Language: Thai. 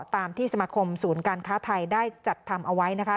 ตามที่สมาคมศูนย์การค้าไทยได้จัดทำเอาไว้นะคะ